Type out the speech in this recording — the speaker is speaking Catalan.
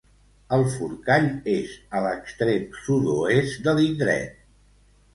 El Forcall és a l'extrem sud-oest de l'indret.